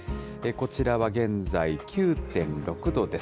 こちらは現在、９．６度です。